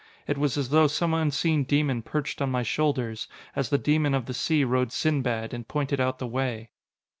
It was as though some unseen demon perched on my shoulders, as the demon of the sea rode Sinbad, and pointed out the way.